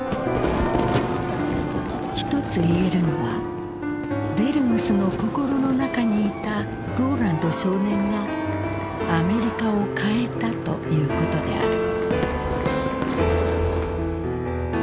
ひとつ言えるのはデルムスの心の中にいたローランド少年がアメリカを変えたということである。